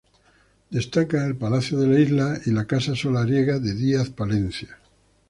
Destacan el Palacio de la Isla, y la casa solariega de Díaz Palencia.